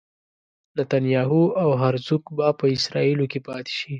نتنیاهو او هرزوګ به په اسرائیلو کې پاتې شي.